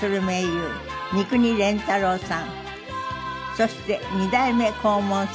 そして２代目黄門様